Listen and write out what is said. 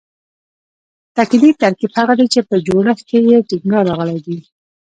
تاکیدي ترکیب هغه دﺉ، چي په جوړښت کښي ئې ټینګار راغلی یي.